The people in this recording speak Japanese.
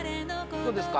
どうですか？